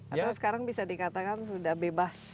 atau sekarang bisa dikatakan sudah bebas